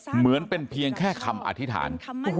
เหมือนเป็นเพียงแค่คำอธิษฐาน